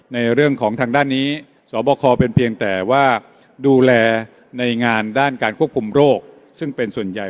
ในเรื่องของทางด้านนี้สบคเป็นเพียงแต่ว่าดูแลในงานด้านการควบคุมโรคซึ่งเป็นส่วนใหญ่